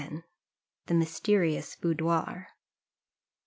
THE MYSTERIOUS BOUDOIR.